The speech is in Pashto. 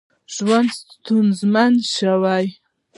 ژوند ستونزمن شو.